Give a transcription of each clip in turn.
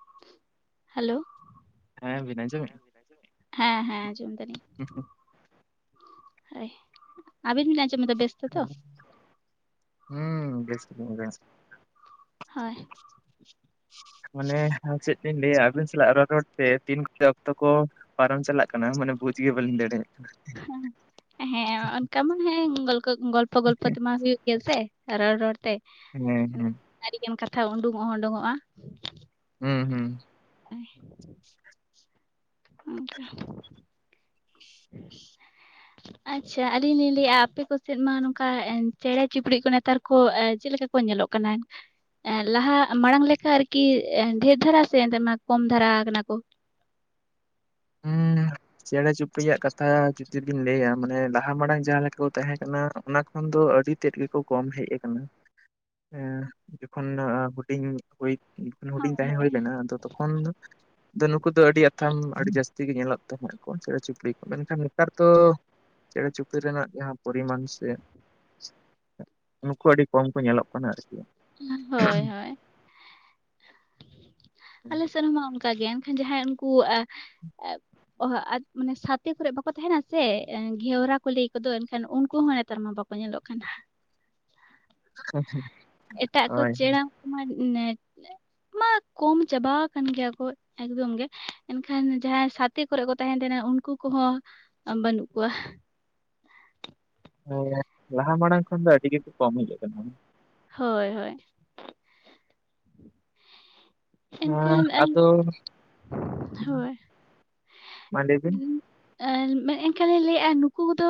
[inaudible] Hello ᱦᱮᱸ ᱵᱤᱱ ᱾ ᱟᱸᱡᱚᱢᱮᱜᱼᱟ? [unintelligible] ᱦᱮᱸ ᱦᱮᱸ ᱟᱸᱡᱚᱢ ᱮᱫᱟᱞᱤᱧ᱾ [inaudible] [inaudible] ᱦᱳᱭ ᱟᱵᱤᱱ ᱵᱤᱱ ᱟᱸᱡ ᱦᱮᱞᱳ [inaudible] ᱦᱩᱸ ᱵᱮᱥ [inaudible] ᱦᱳᱭ ᱢᱟᱱᱮ ᱟᱨ ᱪᱮᱫ ᱞᱤᱧ ᱞᱮᱭᱟ ᱟᱵᱤᱱ ᱥᱟᱞᱟᱜ ᱨᱚᱲ ᱨᱚᱲ ᱛᱮ ᱛᱤᱱ ᱠᱚᱨᱮ ᱚᱠᱛᱚ ᱠᱚ ᱯᱟᱨᱚᱢ ᱪᱟᱞᱟᱜ ᱠᱟᱱᱟ ᱢᱟᱱᱮ ᱵᱩᱡ ᱜᱮ ᱵᱟᱹᱞᱤᱧ ᱫᱟᱲᱮᱜ ᱦᱮᱸ ᱚᱱᱠᱟ ᱢᱟ ᱦᱮᱸ ᱜᱚᱞᱯᱚ ᱜᱚᱞᱯᱚ ᱜᱚᱞᱯᱚ ᱛᱮᱢᱟ ᱦᱩᱭᱩᱜ ᱜᱮᱭᱟ ᱥᱮ ᱾ ᱨᱚᱲ ᱨᱚᱲᱛᱮ ᱾ ᱦᱮᱸ ᱦᱮᱸ ᱾ ᱟᱹᱰᱤᱜᱟᱱ ᱠᱟᱛᱷᱟ ᱳᱰᱳᱝ ᱦᱚᱸ ᱳᱰᱳᱝᱜ-ᱟ᱾ ᱦᱩᱸ ᱦᱩᱸ ᱾ [inaudible] ᱚᱱᱠᱟ [inaudible] ᱟᱪᱪᱷᱟ ᱟᱞᱤᱧ ᱞᱤᱧ ᱞᱮᱭᱮᱜ-ᱟ ᱟᱯᱮ ᱠᱚᱥᱮᱫ ᱢᱟ ᱱᱚᱝᱠᱟ ᱮ ᱪᱮᱬᱮ ᱪᱩᱯᱲᱤᱡ ᱠᱚ ᱱᱮᱛᱟᱨ ᱠᱚ ᱪᱮᱫᱞᱮᱠᱟ ᱠᱚ ᱧᱮᱞᱚᱜ ᱠᱟᱱᱟ᱾ ᱞᱟᱦᱟ ᱢᱟᱲᱟᱝ ᱞᱮᱠᱟ ᱟᱨᱠᱤ ᱮ ᱰᱷᱮᱨ ᱫᱷᱟᱨᱟ ᱥᱮ ᱮᱱᱛᱮ ᱟᱱᱟ ᱠᱚᱢ ᱫᱷᱟᱨᱟ ᱠᱟᱱᱟ ᱠᱚ? ᱦᱩᱸ ᱪᱮᱸᱬᱮ ᱪᱩᱯᱲᱤᱭᱟᱜ ᱠᱟᱛᱷᱟ ᱡᱩᱫᱤ ᱵᱤᱱ ᱞᱮᱭᱟ ᱢᱟᱱᱮ ᱞᱟᱦᱟ ᱢᱟᱲᱟᱝ ᱡᱟᱦᱟᱸ ᱞᱮᱠᱟ ᱠᱚ ᱛᱟᱦᱮᱸ ᱠᱟᱱᱟ ᱚᱱᱟ ᱠᱷᱚᱱ ᱫᱚ ᱟᱹᱰᱤ ᱛᱮᱫ ᱜᱮᱠᱚ ᱠᱚᱢ ᱦᱮᱡ ᱟᱠᱟᱱᱟ‍᱾ ᱮᱸ ᱡᱚᱠᱷᱚᱱ ᱦᱩᱰᱤᱧ ᱦᱩᱭ ᱦᱩᱰᱤᱧ ᱛᱟᱦᱮᱸ ᱦᱩᱭ ᱦᱳᱭ ᱞᱮᱱᱟ ᱛᱚᱠᱷᱚᱱ ᱫᱚ ᱛᱚ ᱱᱩᱠᱩ ᱫᱚ ᱟᱹᱰᱤ ᱟᱛᱷᱟᱢ ᱟᱹᱰᱤ ᱡᱟᱹᱥᱛᱤ ᱛᱤᱜᱮ ᱧᱮᱞᱚᱜ [unintelligible] ᱪᱮᱬᱮ ᱪᱩᱯᱲᱤᱡ ᱠᱚ ᱢᱮᱱᱠᱟᱱ ᱱᱮᱛᱟᱨ ᱫᱚ ᱪᱮᱸᱬᱮ ᱪᱩᱯᱲᱤ ᱨᱮᱱᱟᱜ ᱡᱟᱦᱟᱸ ᱯᱚᱨᱤᱢᱟᱱ ᱥᱮ ᱱᱩᱠᱩ ᱟᱹᱰᱤ ᱠᱚᱢ ᱠᱚ ᱧᱮᱞᱚᱜ ᱠᱟᱱᱟ ᱟᱨᱠᱤ᱾ ᱦᱮᱸ ᱦᱳᱭ ᱦᱳᱭ᱾ ᱟᱞᱮ ᱥᱮᱱᱢᱟ ᱚᱱᱠᱟᱜᱮ ᱮᱱᱠᱷᱟᱱ ᱡᱟᱦᱟᱸᱭ ᱩᱱᱠᱩ ᱮᱻ ᱚᱸᱦᱚᱸ ᱟᱛ ᱢᱟᱱᱮ ᱥᱟᱛᱮ ᱠᱚᱨᱮ ᱵᱟᱠᱚ ᱛᱟᱦᱮᱱᱟ ᱥᱮ ᱜᱷᱮᱣᱨᱟ ᱠᱚ ᱞᱟᱹᱭ ᱠᱚᱫᱚ ᱮᱱᱠᱷᱟᱱ ᱩᱱᱠᱩ ᱦᱚᱸ ᱱᱮᱛᱟᱨ ᱢᱟ ᱵᱟᱠᱚ ᱧᱮᱞᱚᱜ ᱠᱟᱱᱟ᱾ [unintelligible] ᱮᱴᱟᱜ ᱠᱚ ᱦᱳᱭ ᱪᱮᱬᱮ ᱠᱚᱢᱟ ᱢᱟ ᱱᱮ [unintelligible] ᱠᱚᱢ ᱪᱟᱵᱟᱣ ᱟᱠᱟᱱ ᱜᱮᱭᱟ ᱠᱚ᱾ ᱮᱠᱫᱚᱢ ᱜᱮ ᱮᱱᱠᱷᱟᱱ ᱡᱟᱦᱟᱸᱭ ᱥᱟᱛᱮ ᱠᱚᱨᱮ ᱠᱚ ᱛᱟᱦᱮᱱ ᱛᱟᱦᱮᱱᱟ ᱩᱱᱠᱩ ᱠᱚᱦᱚᱸ ᱵᱟᱹᱱᱩᱜ ᱠᱚᱣᱟ᱾ ᱦᱮᱸ ᱞᱟᱦᱟ ᱢᱟᱲᱟᱝ ᱠᱷᱚᱱ ᱫᱚ ᱟᱹᱰᱤ ᱜᱮᱠᱚ ᱠᱚᱢ ᱦᱤᱡᱩᱜ ᱠᱟᱱᱟ᱾ ᱦᱳᱭ ᱦᱳᱭ᱾ ᱮᱱᱠᱷᱟᱱ ᱮᱢ, ᱟᱫᱚ ᱦᱳᱭ᱾ ᱢᱟ ᱞᱟᱹᱭ ᱵᱤᱱ ᱮᱱ ᱮᱱᱠᱷᱟᱱ ᱤᱧ ᱞᱟᱹᱭᱮᱜᱼᱟ ᱱᱩᱠᱩ ᱠᱚᱫᱚ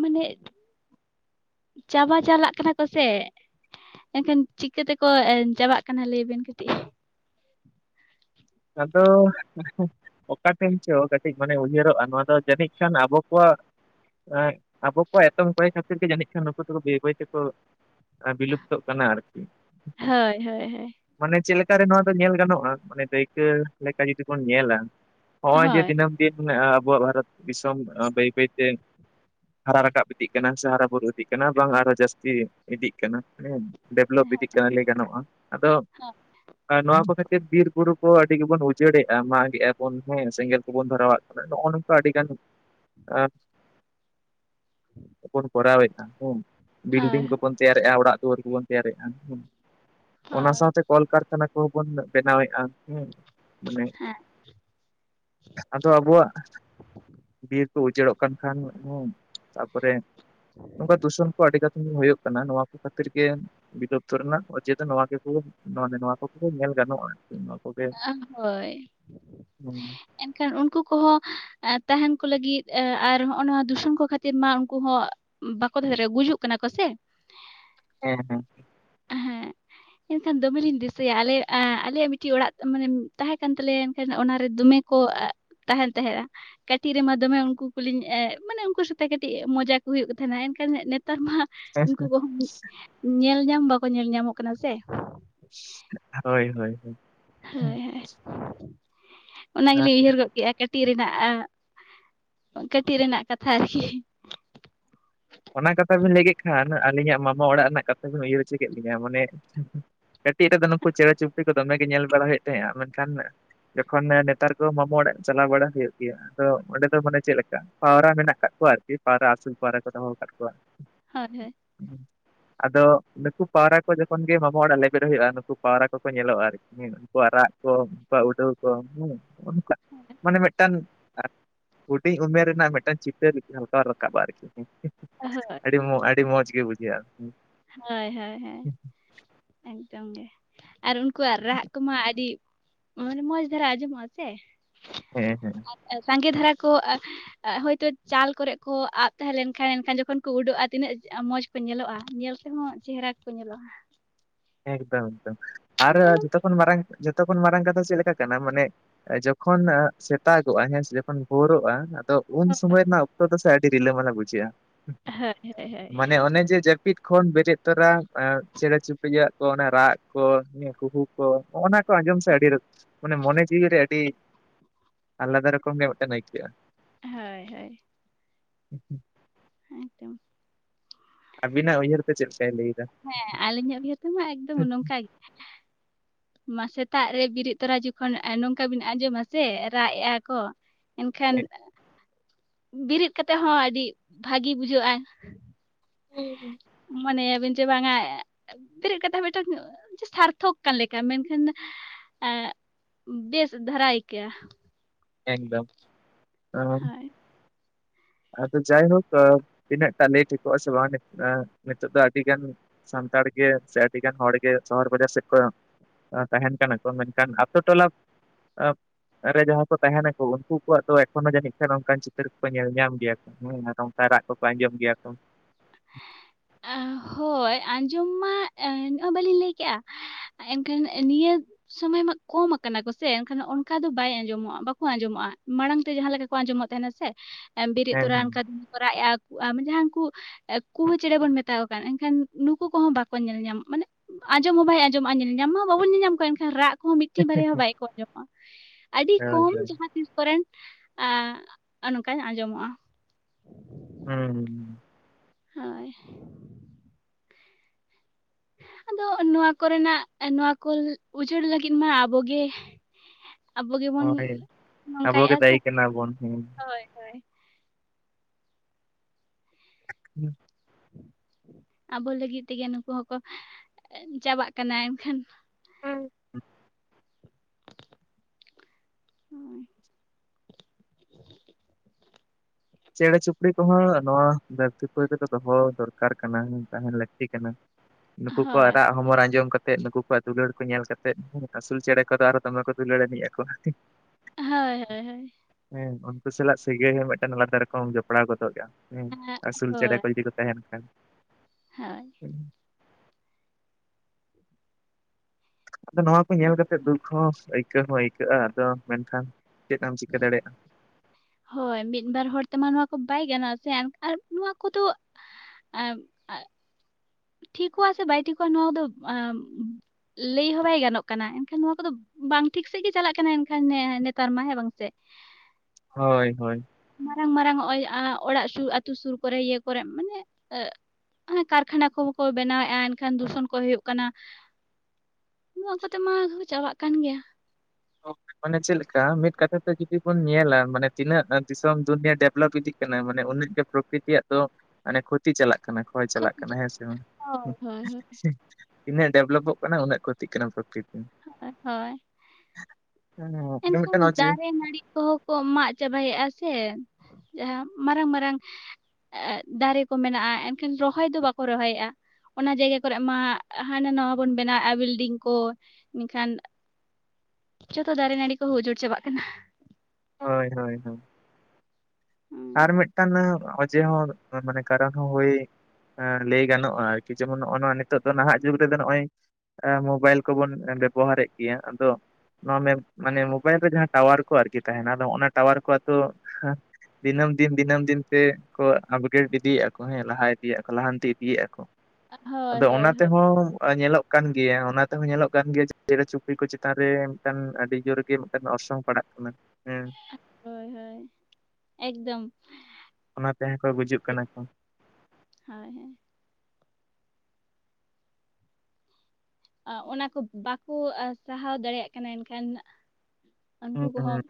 ᱢᱟᱱᱮ ᱪᱟᱵᱟ ᱪᱟᱞᱟᱜ ᱠᱟᱱᱟ ᱠᱚᱥᱮ᱾ ᱮᱱᱠᱷᱟᱱ ᱪᱤᱠᱟᱹ ᱛᱮᱠᱚ ᱪᱟᱵᱟᱜ ᱠᱟᱱᱟ ᱞᱟᱹᱭᱵᱤᱱ ᱠᱟᱹᱴᱤᱡ? ᱟᱫᱚ ᱚᱠᱟ ᱴᱷᱮᱱ ᱪᱚ ᱠᱟᱹᱴᱤᱡ ᱢᱟᱱᱮ ᱩᱭᱦᱟᱹᱨᱚᱜᱼᱟ ᱱᱚᱣᱟ ᱫᱚ ᱡᱟᱹᱱᱤᱡ ᱠᱷᱟᱱ ᱟᱵᱚ ᱠᱚᱣᱟᱜ ᱟᱵᱚ ᱠᱚᱣᱟᱜ ᱮᱛᱚᱢ ᱠᱚᱭᱮ ᱠᱷᱟᱹᱛᱤᱨ ᱜᱮ ᱡᱟᱹᱱᱤᱡ ᱠᱷᱟᱱ ᱱᱩᱠᱩ ᱫᱚᱠᱚ ᱵᱟᱹᱭ ᱵᱟᱹᱭ ᱛᱮᱠᱚ ᱵᱤᱞᱩᱯᱛᱚᱜ ᱠᱟᱱᱟ ᱟᱨᱠᱤ᱾ ᱦᱳᱭ ᱦᱳᱭ ᱦᱳᱭ᱾ ᱢᱟᱱᱮ ᱪᱮᱫ ᱞᱮᱠᱟ ᱨᱮ ᱱᱚᱣᱟ ᱫᱚ ᱧᱮᱞ ᱜᱟᱱᱚᱜᱼᱟ ᱢᱟᱱᱮ ᱫᱟᱹᱭᱠᱟᱹ ᱞᱮᱠᱟ ᱡᱩᱫᱤ ᱵᱚᱱ ᱧᱮᱞᱟ ᱱᱚᱜᱼᱚᱭ ᱡᱮ ᱦᱳᱭ ᱫᱤᱱᱟᱹᱢ ᱫᱤᱱ ᱟᱵᱚᱣᱟᱜ ᱵᱷᱟᱨᱚᱛ ᱫᱤᱥᱚᱢ ᱵᱟᱹᱭ ᱵᱟᱹᱭᱛᱮ ᱦᱟᱨᱟ ᱨᱟᱠᱟᱵ ᱤᱫᱤᱜ ᱠᱟᱱᱟ ᱥᱮ ᱦᱟᱨᱟ ᱵᱩᱨᱩ ᱤᱫᱤᱜ ᱠᱟᱱᱟ ᱵᱟᱝ ᱟᱨᱚ ᱡᱟᱹᱥᱛᱤ ᱤᱫᱤᱜ ᱠᱟᱱᱟ᱾ [unintelligible] ᱰᱮᱵᱷᱞᱚᱯ ᱦᱳᱭ ᱤᱫᱤᱜ ᱠᱟᱱᱟ ᱞᱟᱹᱭ ᱜᱟᱱᱚᱜᱼᱟ᱾ ᱟᱫᱚ ᱱᱚᱣᱟ ᱠᱚ ᱠᱷᱟᱹᱛᱤᱨ ᱵᱤᱨ ᱵᱩᱨᱩ ᱟᱹᱰᱤ ᱜᱮᱵᱚᱱ ᱩᱡᱟᱹᱲ ᱮᱜ-ᱟ ᱢᱟᱜ ᱮᱜ-ᱟ ᱵᱚᱱ ᱦᱮᱸ, ᱥᱮᱸᱜᱮᱞ ᱠᱚ ᱵᱚᱱ ᱫᱷᱚᱨᱟᱣᱟᱜ ᱠᱟᱱᱟ ᱱᱚᱜᱼᱚ ᱱᱚᱝᱠᱟ ᱟᱹᱰᱤᱜᱟᱱ ᱵᱚᱱ ᱠᱚᱨᱟᱣᱮᱫᱼᱟ [unintelligible] ᱦᱳᱭ ᱵᱤᱞᱰᱤᱝ ᱠᱚᱵᱚᱱ ᱛᱮᱭᱟᱨᱮᱫᱼᱟ ᱚᱲᱟᱜ ᱫᱩᱣᱟᱹᱨ ᱜᱮᱵᱚᱱ ᱛᱮᱭᱟᱨᱮᱫᱼᱟ᱾ ᱚᱱᱟ ᱦᱳᱭ ᱥᱟᱶᱛᱮ ᱠᱚᱞᱠᱟᱨ ᱠᱷᱟᱱᱟ ᱠᱚ ᱵᱚᱱ ᱵᱮᱱᱟᱣᱮᱜᱼᱟ ᱦᱮᱸ ᱢᱟᱱᱮ ᱟᱫᱚ ᱟᱵᱚᱣᱟᱜ ᱵᱤᱨ ᱠᱚ ᱩᱡᱟᱹᱲᱚᱜ ᱠᱟᱱ ᱠᱷᱟᱱ ᱦᱮᱸ ᱠᱚᱨᱮ [inaudible] ᱱᱚᱝᱠᱟ ᱫᱩᱥᱚᱱ ᱠᱚ ᱟᱹᱰᱤ ᱜᱮ [unintelligible] ᱦᱩᱭᱩᱜ ᱠᱟᱱᱟ, ᱱᱚᱣᱟ ᱠᱚ ᱠᱷᱟᱹᱛᱤᱨ ᱜᱮ ᱵᱤᱞᱩᱯᱛᱚ ᱨᱮᱱᱟᱜ ᱚᱡᱮ ᱫᱚ ᱱᱚᱣᱟ ᱜᱮ ᱱᱚᱣᱟ ᱠᱚᱜᱮ ᱠᱚ ᱧᱮᱞ ᱜᱟᱱᱚᱜᱼᱟ [unintelligible] ᱦᱳᱭ ᱦᱩᱸ, ᱮᱱᱠᱷᱟᱱ ᱩᱱᱠᱩ ᱠᱚᱦᱚᱸ ᱛᱟᱦᱮᱸᱱ ᱠᱚ ᱞᱟᱹᱜᱤᱫ ᱟᱨ ᱦᱚᱸᱜᱚ ᱱᱚᱣᱟ ᱫᱩᱥᱚᱱ ᱠᱚ ᱠᱷᱟᱹᱛᱤᱨ ᱢᱟ ᱩᱱᱠᱩ ᱦᱚᱸ ᱵᱟᱠᱚ ᱛᱟᱦᱮᱸ [unintelligible] ᱜᱩᱡᱩᱜ ᱠᱟᱱᱟ ᱠᱚ ᱥᱮ᱾ ᱦᱮᱸ ᱦᱮᱸ᱾ ᱦᱮᱸ ᱮᱱᱠᱷᱟᱱ ᱫᱚᱢᱮᱞᱤᱧ ᱫᱤᱥᱟᱹᱭᱟ ᱟᱞᱮ ᱮᱸ ᱟᱞᱮᱭᱟᱜ ᱢᱤᱫᱴᱤᱡ ᱚᱲᱟᱜ ᱢᱟᱱᱮ ᱛᱟᱦᱮᱸ ᱠᱟᱱ ᱛᱟᱞᱮᱭᱟ ᱮᱱᱠᱷᱟᱱ ᱚᱱᱟ ᱨᱮ ᱫᱚᱢᱮ ᱠᱚ ᱮᱸ ᱛᱟᱦᱮᱸᱱ ᱛᱟᱦᱮᱸᱫᱼᱟ᱾ ᱠᱟᱹᱴᱤᱡ ᱨᱮᱢᱟ ᱫᱚᱢᱮ ᱩᱱᱠᱩ ᱠᱚᱞᱤᱧ ᱮ ᱢᱟᱱᱮ ᱩᱱᱠᱩ ᱥᱟᱛᱮ ᱠᱟᱹᱴᱤᱡ ᱢᱚᱡᱟ ᱠᱚ ᱦᱩᱭᱩᱜ ᱜᱮ ᱛᱟᱦᱮᱸᱱᱟ, ᱮᱱᱠᱷᱟᱱ ᱱᱮᱛᱟᱨ ᱢᱟ ᱩᱱᱠᱩ ᱠᱚᱦᱚᱸ, ᱧᱮᱞ ᱧᱟᱢ ᱵᱟᱠᱚ ᱧᱮᱞ ᱧᱟᱢᱚᱜ ᱠᱟᱱᱟ ᱥᱮ᱾ ᱦᱳᱭ ᱦᱳᱭ ᱦᱳᱭ᱾ ᱦᱩᱸ᱾ ᱦᱳᱭ ᱦᱳᱭ, ᱚᱱᱟ ᱟᱨ ᱜᱮᱞᱤᱧ ᱩᱭᱦᱟᱹᱨ ᱜᱚ ᱠᱮᱜᱼᱟ ᱠᱟ ᱴᱤᱡ ᱨᱮᱱᱟᱜ ᱟ, ᱠᱟᱹᱴᱤᱡ ᱨᱮᱱᱟᱜ ᱠᱟᱛᱷᱟ ᱟᱨᱠᱤ᱾ ᱚᱱᱟ ᱠᱟᱛᱷᱟ ᱵᱤᱱ ᱞᱟᱹᱭ ᱠᱮᱫ ᱠᱷᱟᱱ ᱟᱹᱞᱤᱧᱟᱜ ᱢᱟᱢᱟ ᱚᱲᱟᱜ ᱨᱮᱱᱟᱜ ᱠᱟᱛᱷᱟ ᱵᱤᱱ ᱩᱭᱦᱟᱹᱨ ᱦᱚᱪᱚ ᱠᱮᱫ ᱞᱤᱧᱟᱹ, ᱢᱟᱱᱮ ᱠᱟᱹᱴᱤᱡ ᱨᱮᱫᱚ ᱱᱩᱠᱩ ᱪᱮᱬᱮ ᱪᱩᱯᱲᱤ ᱠᱚ ᱫᱚᱢᱮ ᱜᱮ ᱧᱮᱞ ᱵᱟᱲᱟ ᱦᱩᱭᱩᱜ ᱛᱟᱦᱮᱸᱜᱼᱟ, ᱢᱮᱱᱠᱷᱟᱱ ᱡᱚᱠᱷᱚᱱ ᱱᱮᱛᱟᱨ ᱠᱚ ᱢᱟᱢᱚ ᱚᱲᱟᱜ ᱪᱟᱞᱟᱣ ᱵᱟᱲᱟ ᱦᱩᱭᱩᱜ ᱜᱮᱭᱟ ᱟᱫᱚ ᱚᱸᱰᱮ ᱫᱚ ᱢᱟᱱᱮ ᱪᱮᱫ ᱞᱮᱠᱟ ᱯᱟᱣᱨᱟ ᱢᱮᱱᱟᱜ ᱟᱠᱟᱫ ᱠᱚᱣᱟ ᱟᱨᱠᱤ ᱯᱟᱸᱣᱨᱟ ᱟᱹᱥᱩᱞ ᱯᱟᱣᱨᱟ ᱠᱚ ᱫᱚᱦᱚ ᱟᱠᱟᱫ ᱠᱚᱣᱟ᱾ ᱦᱳᱭ ᱦᱳᱭ᱾ ᱟᱫᱚ ᱱᱩᱠᱩ ᱯᱟᱸᱣᱨᱟ ᱠᱚ ᱡᱚᱠᱷᱚᱱ ᱜᱮ ᱢᱟᱢᱟ ᱚᱲᱟᱜ ᱞᱮᱵᱮᱫ ᱦᱩᱭᱩᱜᱼᱟ, ᱱᱩᱠᱩ ᱯᱟᱣᱨᱟ ᱠᱚᱠᱚ ᱧᱮᱞᱚᱜᱼᱟ ᱟᱨ ᱦᱩᱸ ᱩᱱᱠᱩ ᱟᱨᱟᱜ ᱠᱚ ᱩᱱᱠᱩᱣᱟᱜ ᱩᱰᱟᱹᱣ ᱠᱚ ᱦᱩᱸ, ᱚᱱᱠᱟ, ᱢᱟᱱᱮ ᱢᱤᱫᱴᱟᱝ ᱦᱩᱰᱤᱧ ᱩᱢᱮᱨ ᱨᱮᱱᱟᱜ ᱢᱤᱫᱴᱟᱝ ᱪᱤᱛᱟᱹᱨ ᱡᱷᱟᱞᱠᱟᱣ ᱨᱟᱠᱟᱵ-ᱟ ᱟᱨᱠᱤ᱾ ᱦᱳᱭ ᱟᱹᱰᱤ ᱢᱚ ᱟᱹᱰᱤ ᱢᱚᱡᱽ ᱜᱮ ᱵᱩᱡᱷᱟᱹᱜᱼᱟ᱾ ᱦᱳᱭ ᱦᱳᱭ ᱦᱳᱭ ᱮᱠᱫᱚᱢ ᱜᱮ ᱟᱨ ᱩᱱᱠᱩᱣᱟᱜ ᱨᱟᱜ ᱠᱚᱢᱟ ᱟᱹᱰᱤ ᱢᱟᱱᱮ ᱢᱚᱸᱡᱽ ᱫᱷᱟᱨᱟ ᱟᱸᱡᱚᱢᱚᱜᱼᱟ ᱥᱮ᱾ ᱦᱮᱸ ᱦᱮᱸ᱾ ᱥᱟᱸᱜᱮ ᱫᱷᱟᱨᱟ ᱠᱚ ᱮ ᱮ ᱦᱚᱭᱛᱳ ᱪᱟᱞ ᱠᱚᱨᱮᱜ ᱠᱚ ᱟᱵᱽ ᱛᱟᱦᱮᱸ ᱞᱮᱱᱠᱷᱟᱱ ᱮᱱᱠᱷᱟᱱ ᱡᱚᱠᱷᱚᱱ ᱠᱚ ᱩᱰᱟᱹᱜᱼᱟ ᱛᱤᱱᱟᱹᱜ ᱢᱚᱡᱽ ᱠᱚ ᱧᱮᱞᱚᱜᱼᱟ, ᱧᱮᱞ ᱛᱮᱦᱚᱸ ᱪᱮᱦᱨᱟ ᱜᱮᱠᱚ ᱧᱮᱞᱚᱜᱼᱟ᱾ ᱮᱠᱫᱚᱢ ᱮᱠᱫᱚᱢ ᱟᱨ ᱮᱱᱠᱷᱟᱱ ᱡᱚᱛᱚ ᱠᱷᱚᱱ ᱢᱟᱨᱟᱝ ᱡᱚᱛᱚ ᱠᱷᱚᱱ ᱢᱟᱨᱟᱝ ᱠᱟᱛᱷᱟ ᱪᱮᱫ ᱞᱮᱠᱟ ᱠᱟᱱᱟ ᱢᱟᱱᱮ ᱡᱚᱠᱷᱚᱱ ᱥᱮᱛᱟᱜᱚᱜᱼᱟ ᱦᱮᱸᱥᱮ ᱡᱚᱠᱷᱚᱱ ᱵᱷᱳᱨᱚᱜᱼᱟ ᱛᱚ ᱩᱱ ᱥᱚᱢᱚᱭ ᱨᱮᱱᱟᱜ ᱚᱠᱛᱚ ᱫᱚ ᱥᱮ ᱟᱹᱰᱤ ᱨᱤᱞᱟᱹᱢᱟᱞᱟ ᱵᱩᱡᱷᱟᱹᱜᱼᱟ᱾ ᱦᱳᱭ ᱦᱳᱭ ᱦᱳᱭ ᱢᱟᱱᱮ ᱚᱱᱮ ᱡᱮ ᱡᱟ ᱯᱤᱫ ᱠᱷᱚᱱ ᱵᱮᱨᱮᱫ ᱛᱚᱨᱟ ᱮ ᱪᱮᱬᱮ ᱪᱩᱯᱲᱤᱡ-ᱟᱜ ᱠᱚ ᱚᱱᱮ ᱨᱟᱜ ᱠᱚ ᱱᱤᱭᱟᱹ ᱠᱩᱦᱩ ᱠᱚ ᱱᱚᱜ-ᱚ ᱱᱟ ᱠᱚ ᱟᱸᱡᱚᱢ ᱥᱮ ᱟᱹᱰᱤ ᱨᱟᱹ ᱢᱟᱱᱮ ᱢᱚᱱᱮ ᱡᱤᱣᱤᱮ ᱟᱹᱰᱤ ᱟᱞᱟᱫᱟ ᱨᱚᱠᱚᱢ ᱜᱮ ᱢᱤᱫᱴᱮᱱ ᱟᱹᱭᱠᱟᱹᱜᱼᱟ᱾ ᱦᱤᱛ ᱦᱳᱭ᱾ [inaudible] [inaudible] ᱟᱵᱤᱱᱟᱜ ᱩᱭᱦᱟᱹᱨ ᱛᱮ ᱪᱮᱫᱠᱟᱭ ᱞᱟᱹᱭ ᱫᱟ? ᱦᱮᱸ ᱟᱹᱞᱤᱧᱟᱜ ᱩᱭᱦᱟᱹᱨ ᱛᱮᱢᱟ ᱮᱠᱫᱚᱢ ᱱᱚᱝᱠᱟ ᱢᱟ ᱥᱮᱛᱟᱜ ᱨᱮ ᱵᱮᱨᱮᱫ ᱛᱚᱨᱟ ᱡᱚᱠᱷᱚᱱ ᱮ ᱱᱚᱝᱠᱟ ᱵᱤᱱ ᱟᱸᱡᱚᱢᱟ ᱥᱮ ᱨᱟᱜ ᱮᱜᱼᱟ ᱠᱚ᱾ ᱮᱱᱠᱷᱟᱱ ᱦᱮᱸ ᱵᱮᱨᱮᱫ ᱠᱟᱛᱮᱫ ᱦᱚᱸ ᱟᱹᱰᱤ ᱵᱷᱟᱹᱜᱤ ᱵᱩᱡᱷᱟᱹᱜᱼᱟ᱾ ᱦᱩᱸ ᱦᱩᱸ᱾ ᱢᱚᱱᱮᱭᱟᱵᱤᱱ ᱪᱮ ᱵᱟᱝᱟ ᱵᱮᱨᱮᱫ ᱠᱟᱛᱮ ᱦᱚᱸ ᱢᱤᱫᱴᱟᱝ ᱡᱮ ᱥᱟᱨᱛᱷᱚᱠ ᱠᱟᱱ ᱞᱮᱠᱟ᱾ ᱢᱮᱱᱠᱷᱟᱱ ᱮᱸ ᱵᱮᱥ ᱫᱷᱟᱨᱟ ᱟᱹᱭᱠᱟᱹᱜ-ᱟ᱾ ᱮᱠᱫᱚᱢ ᱟᱢ ᱦᱳᱭ ᱟᱫᱚ ᱡᱟᱭᱦᱳᱠ ᱛᱤᱱᱟᱹᱜ ᱴᱟ ᱞᱮᱭ ᱴᱷᱤᱠᱚᱜ-ᱟ ᱥᱮ ᱵᱟᱝ ᱮᱸ ᱱᱤᱛᱚᱜ ᱫᱚ ᱟᱹᱰᱤ ᱜᱟᱱ ᱥᱟᱱᱛᱟᱲ ᱜᱮ ᱥᱮ ᱟᱹᱰᱤ ᱜᱟᱱ ᱦᱚᱲ ᱜᱮ ᱥᱚᱦᱚᱨ ᱵᱟᱡᱟᱨ ᱥᱮᱫ ᱠᱚ ᱮᱸ ᱛᱟᱦᱮᱱ ᱠᱟᱱᱟ ᱠᱚ ᱢᱮᱱᱠᱷᱟᱱ ᱟᱛᱳ ᱴᱚᱞᱟ ᱨᱮ ᱡᱟᱦᱟᱸ ᱠᱚ ᱛᱟᱦᱮᱱᱟᱠᱚ ᱩᱱᱠᱩ ᱠᱚᱣᱟᱜ ᱫᱚ ᱮᱠᱷᱚᱱᱳ ᱡᱟᱹᱱᱤᱡ ᱠᱷᱟᱱ ᱚᱱᱠᱟᱱ ᱪᱤᱛᱟᱹᱨ ᱠᱚᱠᱚ ᱧᱮᱞ ᱧᱟᱢ ᱜᱮᱭᱟ ᱠᱚ ᱾ ᱦᱮᱸ ᱱᱚᱝᱠᱟ ᱨᱟᱜ ᱠᱚᱠᱚ ᱟᱸᱡᱚᱢ ᱜᱮᱭᱟ ᱠᱚ ᱾ ᱦᱳᱭ ᱟᱸᱡᱚᱢ ᱢᱟ ᱱᱚᱜᱼᱚᱭ ᱵᱟᱹᱞᱤᱧ ᱞᱟᱹᱭ ᱠᱮᱜᱼᱟ ᱾ ᱮᱱᱠᱷᱟᱱ ᱱᱤᱭᱟᱹ ᱥᱚᱢᱚᱭ ᱢᱟ ᱠᱚᱢ ᱟᱠᱟᱱᱟ ᱠᱚ ᱥᱮ ᱮᱱᱠᱷᱟᱱ ᱚᱱᱠᱟ ᱫᱚ ᱵᱟᱭ ᱟᱸᱡᱚᱢᱚᱜᱼᱟ ᱵᱟᱠᱚ ᱟᱸᱡᱚᱢᱚᱜᱼᱟ ᱢᱟᱲᱟᱝ ᱛᱮ ᱡᱟᱦᱟᱸ ᱞᱮᱠᱟ ᱠᱚ ᱟᱸᱡᱚᱢᱚᱜ ᱛᱟᱦᱮᱱᱟ ᱥᱮ, ᱵᱮᱨᱮᱫ ᱦᱮᱸ ᱛᱚᱨᱟ ᱦᱮᱸ [unintelligible] ᱨᱟᱜ ᱮᱜᱼᱟ ᱡᱟᱦᱟᱸ ᱩᱱᱠᱩ ᱠᱩᱦᱩ ᱪᱮᱬᱮ ᱵᱚᱱ ᱢᱮᱛᱟ ᱠᱟᱱ, ᱮᱱᱠᱷᱟᱱ ᱱᱩᱠᱩ ᱠᱚᱦᱚᱸ ᱵᱟᱠᱚ ᱧᱮᱞ ᱧᱟᱢᱚᱜ ᱢᱟᱱᱮ ᱟᱸᱡᱚᱢ ᱦᱚᱸ ᱵᱟᱭ ᱟᱸᱡᱚᱢᱚᱜᱼᱟ, ᱧᱮᱞ ᱧᱟᱢ ᱵᱟᱵᱚᱱ ᱧᱮᱞᱧᱟᱢ ᱠᱚᱣᱟ ᱮᱱᱠᱷᱟᱱ ᱨᱟᱜ ᱠᱚᱦᱚᱸ ᱢᱤᱫᱴᱤᱡ ᱵᱟᱨᱭᱟ ᱦᱚᱸ ᱵᱟᱭ ᱠᱚ ᱟᱸᱡᱚᱢᱚᱜ-ᱟ ᱾ ᱟᱹᱰᱤ ᱦᱳᱭ ᱠᱚᱢ ᱦᱳᱭ ᱡᱟᱦᱟᱸ ᱛᱤᱥ ᱠᱚᱨᱮᱱ ᱮᱸ ᱱᱚᱝᱠᱟᱧ ᱟᱸᱡᱚᱢᱚᱜᱼᱟ ᱾ ᱦᱩᱸᱻ ᱾ ᱦᱳᱭ ᱾ ᱟᱫᱚ ᱱᱚᱣᱟ ᱠᱚ ᱨᱮᱱᱟᱜ ᱱᱚᱣᱟ ᱠᱚ ᱩᱡᱟᱹᱲ ᱞᱟᱹᱜᱤᱫ ᱢᱟ ᱟᱵᱚ ᱜᱮ ᱟᱵᱚ ᱜᱮᱵᱚᱱ ᱦᱳᱭ ᱟᱵᱚ ᱜᱮ ᱱᱚᱝᱠᱟᱭᱮᱜᱼᱟ ᱥᱮ ᱫᱟᱹᱭᱤ ᱠᱟᱱᱟ ᱵᱚᱱ ᱦᱮᱸ ᱾ ᱦᱳᱭ ᱦᱳᱭ ᱾ [unintelligible] ᱟᱵᱚ ᱞᱟᱹᱜᱤᱫ ᱛᱮᱜᱮ ᱱᱩᱠᱩ ᱦᱚᱸᱠᱚ ᱪᱟᱵᱟᱜ ᱠᱟᱱᱟ, ᱮᱱᱠᱷᱟᱱ [unintelligible] [unintelligible] [unintelligible] ᱪᱮᱬᱮ ᱪᱩᱯᱲᱤ ᱠᱚᱦᱚᱸ ᱱᱚᱣᱟ ᱫᱷᱟᱹᱨᱛᱤ ᱯᱩᱨᱤ ᱨᱮᱫᱚ ᱫᱚᱦᱚ ᱫᱚᱨᱠᱟᱨ ᱠᱟᱱᱟ ᱛᱟᱦᱮᱱ ᱞᱟᱹᱠᱛᱤ ᱠᱟᱱᱟ ᱾ ᱱᱩᱠᱩ ᱠᱚᱣᱟᱜ ᱦᱳᱭ ᱨᱟᱜ ᱦᱚᱢᱚᱨ ᱟᱸᱡᱚᱢ ᱠᱟᱛ ᱱᱩᱠᱩ ᱠᱚᱣᱟᱜ ᱫᱩᱞᱟᱹᱲ ᱠᱚ ᱧᱮᱞ ᱠᱟ ᱠᱟᱛᱮᱫ, ᱟᱹᱥᱩᱞ ᱪᱮᱬᱮ ᱠᱚᱫᱚ ᱟᱨᱚ ᱫᱚᱢᱮ ᱠᱚ ᱫᱩᱞᱟᱹᱲ ᱟᱹᱱᱤᱡ ᱟᱠᱚ ᱾ ᱦᱳᱭ ᱦᱳᱭ ᱦᱳᱭ ᱾ ᱦᱮᱸ ᱩᱱᱠᱩ ᱥᱟᱞᱟᱜ ᱥᱟᱹᱜᱟᱹᱭ ᱦᱚᱸ ᱢᱤᱫᱴᱮᱱ ᱟᱞᱟᱫᱟ ᱨᱚᱠᱚᱢ ᱡᱚᱯᱲᱟᱣ ᱜᱚᱫᱚᱜ ᱜᱮᱭᱟ ᱾ ᱦᱩᱸ ᱟᱹᱥᱩᱞ ᱪᱮᱬᱮ ᱦᱳᱭ ᱠᱚ ᱡᱩᱫᱤ ᱠᱚ ᱛᱟᱦᱮᱱ ᱠᱷᱟᱱ ᱾ ᱦᱳᱭ ᱾ [unintelligible] ᱟᱫᱚ ᱱᱚᱣᱟ ᱠᱚ ᱧᱮᱞ ᱠᱟᱛᱮ ᱫᱩᱠ ᱦᱚᱸ ᱟᱹᱭᱠᱟᱹᱣ ᱦᱚᱸ ᱟᱹᱭᱠᱟᱹᱜᱼᱟ ᱟᱫᱚ ᱢᱮᱱᱠᱷᱟᱱ ᱪᱮᱫ ᱮᱢ ᱪᱤᱠᱟᱹ ᱫᱟᱲᱮᱭᱟᱜᱼᱟ ᱾ ᱦᱳᱭ ᱢᱤᱫ ᱵᱟᱨ ᱦᱚᱲ ᱛᱮᱢᱟ ᱱᱚᱣᱟ ᱠᱚ ᱵᱟᱭ ᱜᱟᱱᱚᱜ-ᱟ ᱥᱮ ᱟᱨ ᱱᱚᱣᱟ ᱠᱚᱫᱚ ᱟᱨ ᱴᱷᱤᱠᱚᱜ-ᱟ ᱥᱮ ᱵᱟᱭ ᱴᱷᱤᱠᱚᱜᱼᱟ ᱱᱚᱣᱟ ᱠᱚᱫᱚ ᱟᱸ ᱞᱟᱹᱭ ᱦᱚᱸ ᱵᱟᱭ ᱜᱟᱱᱚᱜ ᱠᱟᱱᱟ, ᱮᱱᱠᱷᱟᱱ ᱱᱚᱣᱟ ᱠᱚᱫᱚ ᱵᱟᱝ ᱴᱷᱤᱠ ᱥᱮᱜ ᱜᱮ ᱪᱟᱞᱟᱜ ᱠᱟᱱᱟ ᱮᱱᱠᱷᱟᱱ ᱱᱮᱛᱟᱨ ᱢᱟ ᱦᱮᱸ ᱵᱟᱝ ᱥᱮ? ᱦᱳᱭ ᱦᱳᱭ ᱾ ᱢᱟᱨᱟᱝ ᱢᱟᱨᱟᱝ ᱱᱚᱜᱼᱚᱭ ᱚᱲᱟᱜ ᱥᱩᱨ ᱟᱹᱛᱩ ᱥᱩᱨ ᱠᱚᱨᱮ ᱤᱭᱟᱹ ᱠᱚᱨᱮ ᱢᱟᱱᱮ ᱠᱟᱨᱠᱷᱟᱱᱟ ᱠᱚᱦᱚᱸ ᱠᱚ ᱵᱮᱱᱟᱣᱮᱜᱼᱟ ᱮᱱᱠᱷᱟᱱ ᱫᱩᱥᱚᱱ ᱠᱚ ᱦᱩᱭᱩᱜ ᱠᱟᱱᱟ ᱾ ᱱᱚᱣᱟ ᱠᱚᱛᱮ ᱢᱟ ᱠᱚ ᱪᱟᱵᱟᱜ ᱠᱟᱱ ᱜᱮᱭᱟ ᱾ ᱢᱟᱱᱮ ᱪᱮᱫ ᱞᱮᱠᱟ ᱢᱤᱫ ᱠᱟᱛᱷᱟ ᱛᱮ ᱡᱩᱫᱤ ᱵᱚᱱ ᱧᱮᱞᱟ ᱢᱟᱱᱮ ᱛᱤᱱᱟᱹᱜ ᱫᱤᱥᱚᱢ ᱫᱩᱱᱭᱟᱹ ᱰᱮᱵᱷᱞᱚᱯ ᱤᱫᱤᱜ ᱠᱟᱱᱟ ᱢᱟᱱᱮ ᱩᱱᱟᱹᱜ ᱜᱮ ᱯᱨᱚᱠᱤᱛᱤᱭᱟᱜ ᱫᱚ ᱢᱟᱱᱮ ᱠᱷᱚᱛᱤ ᱪᱟᱞᱟᱜ ᱠᱟᱱᱟ ᱾ ᱠᱷᱚᱭ ᱪᱟᱞᱟᱜ ᱠᱷᱚᱛᱤ ᱠᱟᱱᱟ ᱦᱮᱸ ᱥᱮ ᱵᱟᱝ? ᱦᱳᱭ ᱦᱳᱭ ᱛᱤᱱᱟᱹᱜ ᱰᱮᱵᱷᱞᱚᱯᱚᱜ ᱠᱟᱱᱟ ᱩᱱᱟᱹᱜ ᱠᱷᱚᱛᱤᱜ ᱠᱟᱱᱟ ᱯᱨᱚᱠᱨᱤᱛᱤ ᱾ ᱦᱳᱭ ᱦᱳᱭ ᱦᱮᱸ ᱮᱱᱠᱷᱟᱱ ᱢᱤᱫᱴᱟᱝ ᱚᱡᱮ ᱫᱟᱨᱮ ᱱᱟᱹᱲᱤ ᱠᱚᱦᱚᱸ ᱠᱚ ᱢᱟᱜ ᱪᱟᱵᱟᱭᱮᱜᱼᱟ ᱥᱮ, ᱡᱟᱦᱟᱸ ᱢᱟᱨᱟᱝ ᱢᱟᱨᱟᱝ ᱮᱜ ᱫᱟᱨᱮ ᱠᱚ ᱢᱮᱱᱟᱜᱼᱟ ᱮᱱᱠᱷᱟᱱ ᱨᱚᱦᱚᱭ ᱫᱚ ᱵᱟᱠᱚ ᱨᱚᱦᱚᱭᱮᱜᱼᱟ ᱾ ᱚᱱᱟ ᱡᱟᱭᱜᱟ ᱠᱚᱨᱮ ᱢᱟ ᱦᱟᱱᱟ ᱱᱟᱣᱟ ᱵᱚᱱ ᱵᱮᱱᱟᱣᱮᱜᱼᱟ ᱵᱤᱞᱰᱤᱝ ᱠᱚ ᱾ ᱱᱤᱠᱷᱟᱱ ᱡᱚᱛᱚ ᱫᱟᱨᱮ ᱱᱟᱹᱲᱤ ᱠᱚ ᱩᱡᱟᱹᱲ ᱪᱟᱵᱟᱜ ᱠᱟᱱᱟ ᱾ ᱦᱳᱭ ᱦᱳᱭ ᱦᱳᱭ, ᱦᱩᱸ ᱟᱨ ᱢᱤᱫᱴᱟᱱ ᱚᱡᱮ ᱦᱚᱸ, ᱠᱟᱨᱚᱱ ᱦᱚᱸ ᱦᱳᱭ ᱮ ᱞᱟᱹᱭ ᱜᱟᱱᱚᱜᱼᱟ ᱟᱨᱠᱤ ᱡᱮᱢᱚᱱ ᱱᱚᱜᱼᱚ ᱱᱚᱣᱟ, ᱱᱤᱛᱚᱜ ᱫᱚ ᱱᱟᱦᱟᱜ ᱡᱩᱜᱽ ᱨᱮᱫᱚ ᱱᱚᱜᱼᱚᱭ ᱮ ᱢᱳᱵᱟᱭᱤᱞ ᱠᱚᱵᱚᱱ ᱵᱮᱵᱚᱦᱟᱨᱮ ᱜᱮᱭᱟ ᱟᱫᱚ ᱱᱚᱣᱟ ᱢᱮ ᱢᱟᱱᱮ ᱢᱳᱵᱟᱭᱤᱞ ᱨᱮ ᱡᱟᱦᱟᱸ ᱴᱟᱣᱟᱨ ᱠᱚ ᱟᱨᱠᱤ ᱛᱟᱦᱮᱱᱟ, ᱟᱫᱚ ᱚᱱᱟ ᱴᱟᱣᱟᱨ ᱠᱚᱣᱟ ᱛᱚ ᱦᱟ ᱫᱤᱱᱟᱹᱢ ᱫᱤᱱ, ᱫᱤᱱᱟᱹᱢ ᱫᱤᱱ, ᱛᱮ ᱠᱚ ᱟᱯᱜᱨᱮᱴ ᱤᱫᱤᱭᱮ-ᱟ ᱠᱚ ᱦᱮᱸ, ᱞᱟᱦᱟ ᱤᱫᱤᱭᱮᱜ-ᱟ ᱠᱚ, ᱞᱟᱦᱟᱱᱛᱤ ᱤᱫᱤᱭᱮ-ᱟ ᱠᱚ᱾ ᱦᱳᱭ ᱟᱫᱚ ᱚᱱᱟ ᱦᱳᱭ ᱦᱳᱭ ᱛᱮᱦᱚᱸ ᱧᱮᱞᱚᱜ-' ᱠᱟᱱ ᱜᱮᱭᱟ ᱚᱱᱟ ᱛᱮᱦᱚᱸ ᱧᱮᱞᱚᱜ ᱠᱟᱱ ᱜᱮᱭᱟ, ᱪᱮᱬᱮ ᱪᱩᱯᱤ ᱠᱚ ᱪᱮᱛᱟᱱ ᱨᱮ ᱢᱤᱫᱴᱟᱱ ᱟᱹᱰᱤ ᱡᱳᱨ ᱜᱮ, ᱢᱤᱫᱴᱟᱝ ᱚᱨᱥᱚᱝ ᱯᱟᱲᱟᱜ ᱠᱟᱱᱟ᱾ ᱦᱩᱸ ᱟ ᱦᱳᱭ ᱦᱳᱭ, ᱮᱠᱫᱚᱢ, ᱚᱱᱟ ᱛᱮᱦᱚᱸ ᱠᱚ ᱜᱩᱡᱩᱜ ᱴᱷᱤᱠ, ᱠᱟᱱᱟ ᱠᱚ᱾ ᱦᱳᱭ ᱦᱮᱸ, ᱚᱱᱟ ᱠᱩ ᱵᱟᱠᱩ ᱥᱟᱦᱟᱣ ᱫᱟᱲᱮᱭᱟᱜ ᱠᱟᱱᱟ, ᱮᱱᱠᱷᱟᱱ ᱩᱱᱠᱩ ᱦᱩᱸ ᱠᱚᱦᱚᱸ ᱦᱩᱸ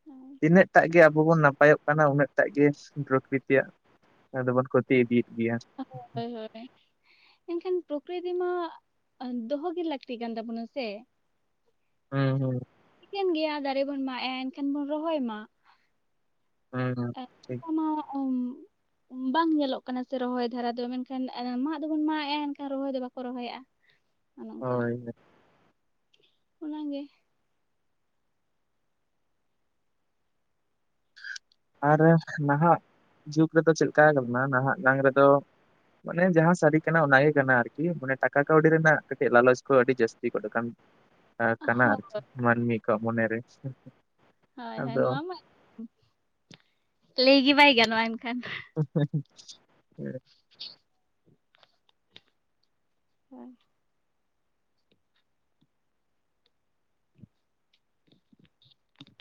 [unintelligible] ᱛᱤᱱᱟᱹᱜ ᱴᱟᱜ ᱜᱮ ᱟᱵᱚ ᱵᱚᱱ ᱱᱟᱯᱟᱭᱚᱜ ᱠᱟᱱᱟ, ᱩᱱᱟᱹᱜ ᱴᱟᱜ ᱜᱮ ᱯᱨᱚᱠᱨᱤᱛᱤᱭᱟᱜ ᱟᱫᱚ ᱵᱚᱱ ᱠᱷᱚᱛᱤ ᱤᱫᱤᱭᱮᱫ ᱜᱮᱭᱟ᱾ ᱦᱳᱭ ᱦᱳᱭ ᱦᱳᱭ ᱮᱱᱠᱷᱟᱱ ᱯᱨᱚᱠᱨᱤᱛᱤ ᱢᱟ ᱫᱚᱦᱚ ᱜᱮ ᱞᱟᱹᱠᱛᱤ ᱠᱟᱱ ᱛᱟᱵᱚᱱᱟ ᱥᱮ, ᱦᱩᱸ ᱦᱩᱸ, ᱴᱷᱤᱠᱟᱹᱱ ᱜᱮᱭᱟ ᱫᱟᱨᱮ ᱵᱚᱱ ᱢᱟᱜ ᱮᱼᱟ, ᱮᱱᱠᱷᱟᱱ ᱵᱚᱱ ᱨᱚᱦᱚᱭ ᱢᱟ᱾ ᱦᱩᱸ ᱦᱩᱸ, ᱴᱷᱤᱠ ᱚᱱᱠᱟ ᱢᱟ ᱟᱹᱢ ᱵᱟᱝ ᱧᱮᱞᱚᱜ ᱠᱟᱱᱟ ᱥᱮ ᱨᱚᱦᱚᱭ ᱫᱷᱟᱨᱟ ᱫᱚ, ᱢᱮᱱᱠᱷᱟᱱ ᱢᱟᱜ ᱫᱚᱵᱚᱱ ᱢᱟᱜ ᱮᱼᱟ ᱮᱱᱠᱷᱟᱱ ᱨᱚᱦᱚᱭ ᱫᱚ ᱵᱟᱠᱚ ᱨᱚᱦᱚᱭᱮᱼᱟ᱾ ᱦᱳᱭ ᱦᱳᱭ, ᱚᱱᱟ ᱜᱮ, ᱟᱨ ᱱᱟᱦᱟᱜ ᱡᱩᱜᱽ ᱨᱮᱫᱚ ᱪᱮᱫ ᱞᱮᱠᱟ, ᱠᱟᱱᱟ ᱱᱟᱦᱟᱜ ᱱᱟᱝ ᱨᱮᱫᱚ ᱢᱟᱱᱮ ᱡᱟᱦᱟᱸ ᱥᱟᱹᱨᱤ ᱠᱟᱱᱟ ᱚᱱᱟ ᱜᱮ ᱠᱟᱱᱟ ᱟᱨᱠᱤ, ᱢᱟᱱᱮ ᱴᱟᱠᱟ ᱠᱟᱹᱣᱰᱤ ᱨᱮᱱᱟᱜ ᱠᱟᱹᱴᱤᱡ ᱞᱟᱞᱚᱪ ᱠᱚ ᱟᱹᱰᱤ ᱡᱟᱹᱥᱛᱤ ᱜᱚᱫ ᱠᱟᱱ ᱟ ᱠᱟᱱᱟ ᱦᱳᱭ ᱟᱨᱠᱤ, ᱢᱟᱹᱱᱢᱤ ᱠᱚᱣᱟᱜ ᱢᱚᱱᱮᱨᱮ ᱥᱮ, ᱦᱳᱭ ᱦᱳᱭ, ᱱᱚᱣᱟ ᱢᱟ ᱞᱟᱹᱭ ᱜᱮ ᱵᱟᱭ ᱜᱟᱱᱚᱜᱼᱟ ᱮᱱᱠᱷᱟᱱ᱾ ᱦᱮᱸ [unintelligible] [unintelligible] ᱦᱳᱭ,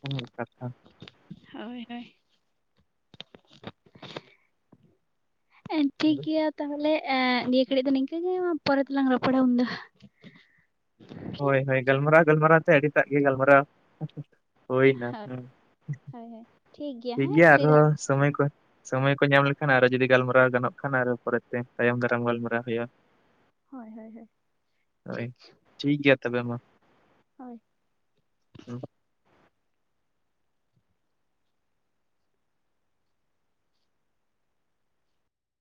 [unintelligible] ᱠᱟᱛᱷᱟ ᱦᱳᱭ ᱦᱳᱭ, ᱮ ᱴᱷᱤᱠ ᱜᱮᱭᱟ ᱛᱟᱦᱚᱞᱮ, ᱮ ᱱᱤᱭᱟᱹ ᱜᱷᱟᱹᱲᱤᱡ ᱫᱚ ᱱᱤᱝᱠᱟᱹᱮ ᱢᱟ ᱯᱚᱨᱮ ᱛᱮᱞᱟᱝ ᱨᱚᱯᱚᱲᱟ ᱩᱱ ᱫᱚ᱾ ᱦᱳᱭ ᱦᱳᱭ ᱜᱟᱞᱢᱟᱨᱟᱣ ᱜᱟᱞᱢᱟᱨᱟᱣ ᱛᱮ ᱟᱹᱰᱤᱴᱟᱜ ᱜᱮ, ᱜᱟᱞᱢᱟᱨᱟᱣ ᱦᱩᱭᱱᱟ ᱦᱳᱭ ᱦᱮ᱾ ᱦᱳᱭ ᱦᱳᱭ ᱴᱷᱤᱠ ᱦᱮᱸ ᱜᱮᱭᱟ, ᱯᱷᱨᱤ ᱫᱷᱟᱨᱟ ᱟᱨᱦᱚᱸ ᱥᱚᱢᱚᱭ ᱠᱚ ᱥᱚᱢᱚᱭ ᱠᱚ ᱧᱟᱢ ᱞᱮᱠᱷᱟᱱ ᱟᱨᱚ ᱡᱩᱫᱤ ᱜᱟᱞᱢᱟᱨᱟᱣ ᱜᱟᱱᱚᱜ ᱠᱷᱟᱱ, ᱟᱨ ᱯᱚᱨᱮᱛᱮ ᱛᱟᱭᱚᱢ ᱫᱟᱨᱟᱢ ᱜᱟᱞᱢᱟᱨᱟᱣ ᱦᱩᱭᱩᱜ-ᱟ᱾ ᱦᱳᱭ ᱦᱳᱭ ᱦᱳᱭ, ᱦᱳᱭ ᱴᱷᱤᱠ ᱴᱷᱤᱠ ᱜᱮᱭᱟ ᱛᱚᱵᱮ ᱢᱟ᱾ ᱦᱳᱭ, ᱦᱩᱸ